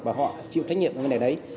và họ chịu trách nhiệm về vấn đề đấy